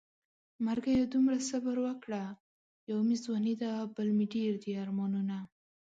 مرګيه دومره صبر وکړه يو مې ځواني ده بل مې ډېر دي ارمانونه